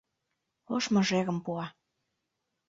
Ош мыжерым пуа...